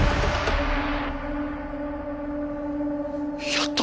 やった！